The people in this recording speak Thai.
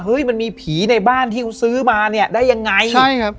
เฮ้ยมันมีผีในบ้านที่ซื้อมาเนี่ยได้ยังไง